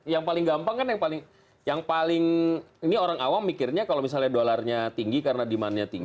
yang paling gampang kan yang paling ini orang awam mikirnya kalau misalnya dolarnya tinggi karena demandnya tinggi